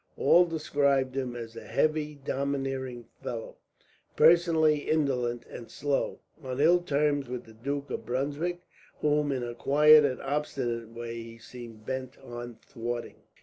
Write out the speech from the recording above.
All described him as a heavy, domineering fellow, personally indolent and slow, on ill terms with the Duke of Brunswick, whom in a quiet and obstinate way he seemed bent on thwarting.